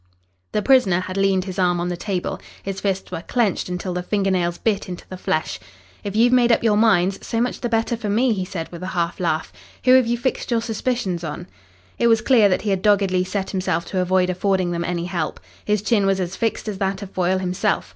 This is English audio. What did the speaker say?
The prisoner had leaned his arm on the table. His fists were clenched until the finger nails bit into the flesh. "If you've made up your minds, so much the better for me," he said with a half laugh. "Who have you fixed your suspicions on?" It was clear that he had doggedly set himself to avoid affording them any help. His chin was as fixed as that of Foyle himself.